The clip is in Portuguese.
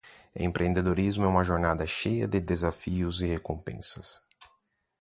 O empreendedorismo é uma jornada cheia de desafios e recompensas.